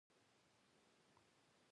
د وتلو په حال کې یې تر غوږ راټیټ کړل.